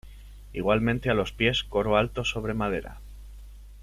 Igualmente a los pies coro alto sobre madera.